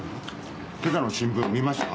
今朝の新聞見ました？